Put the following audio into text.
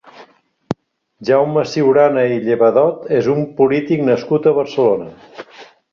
Jaume Ciurana i Llevadot és un polític nascut a Barcelona.